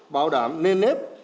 bảo đảm nền nét